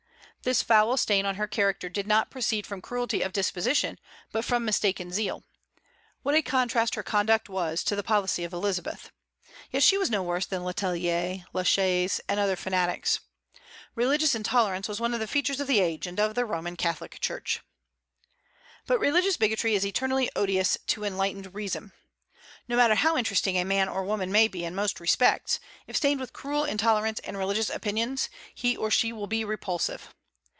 This foul stain on her character did not proceed from cruelty of disposition, but from mistaken zeal. What a contrast her conduct was to the policy of Elizabeth! Yet she was no worse than Le Tellier, La Chaise, and other fanatics. Religious intolerance was one of the features of the age and of the Roman Catholic Church. But religious bigotry is eternally odious to enlightened reason. No matter how interesting a man or woman may be in most respects, if stained with cruel intolerance in religious opinions, he or she will be repulsive.